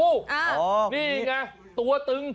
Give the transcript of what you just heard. นี่ไงตัวตึง